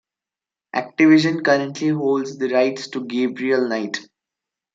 Activision currently holds the rights to Gabriel Knight.